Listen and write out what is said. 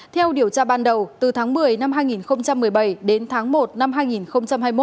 theo điều tra ban đầu từ tháng một mươi năm hai nghìn một mươi bảy đến tháng một năm hai nghìn hai mươi một